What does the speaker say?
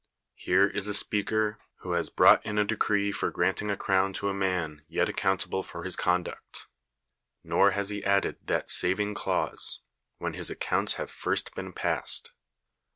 Here is a speaker who has brought in a decree for granting a crown to a man yet accountable for his conduct. Xor has he added that saving clause, "when his accounts have first been passed.